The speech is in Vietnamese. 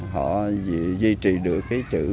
họ duy trì được cái chữ